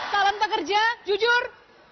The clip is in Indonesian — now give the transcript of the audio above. salam pekerja jujur